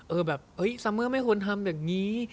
แบบเฮ้ยซัมเมอร์ไม่ควรทำอย่างนี้